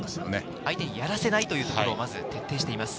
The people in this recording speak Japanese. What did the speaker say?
相手にやらせないところを徹底しています。